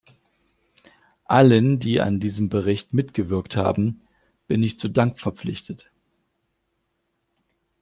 Allen, die an diesem Bericht mitgewirkt haben, bin ich zu Dank verpflichtet.